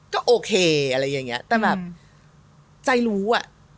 ก็โอเคอะไรอย่างเงี้ย